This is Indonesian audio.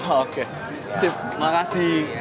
oke siap makasih